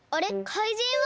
かいじんは？